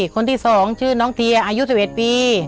คนที่สองชื่อน้องเทียอายุสิบเอ็ดปี